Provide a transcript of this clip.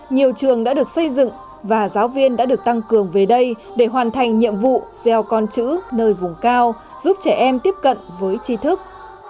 nhiều trường đã được xây dựng và giáo viên đã được tăng cường về đây để hoàn thành nhiệm vụ gieo con chữ nơi vùng cao giúp trẻ em tiếp cận với chi thức